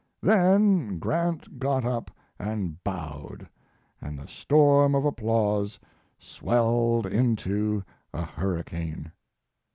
Then Grant got up and bowed, and the storm of applause swelled into a hurricane.